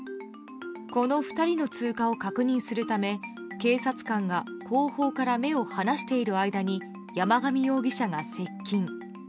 この２人の通過を確認するため警察官が後方から目を離している間に山上容疑者が接近。